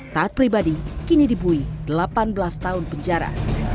taat pribadi kini dibuih delapan belas tahun penjara